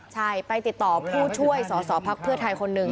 ใช่ไปติดต่อผู้ช่วยสอสอพักเพื่อไทยคนหนึ่ง